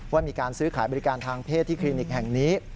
ว่ามีการซื้อขายบริการทางเพศที่คลินิกแห่งนี้